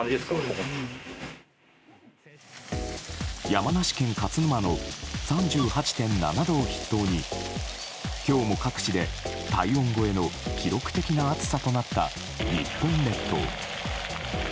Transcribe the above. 山梨県勝沼の３８．７度を筆頭に今日も各地で、体温超えの記録的な暑さとなった日本列島。